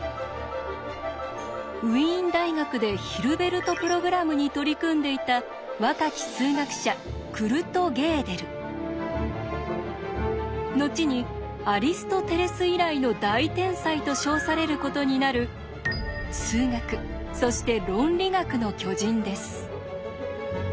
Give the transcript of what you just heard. ウィーン大学でヒルベルト・プログラムに取り組んでいた若き数学者のちにアリストテレス以来の大天才と称されることになる数学そして論理学の巨人です。